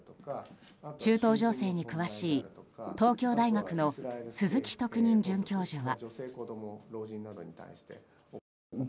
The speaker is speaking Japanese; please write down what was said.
中東情勢に詳しい東京大学の鈴木特任准教授は。